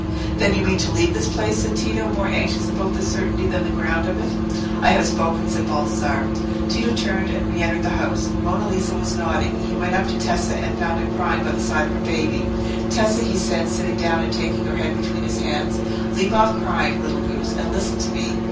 "Then you mean to leave this place?" said Tito, more anxious about this certainty than the ground of it. "I have spoken," said Baldassarre. Tito turned and re entered the house. Monna Lisa was nodding; he went up to Tessa, and found her crying by the side of her baby. "Tessa," he said, sitting down and taking her head between his hands; "leave off crying, little goose, and listen to me."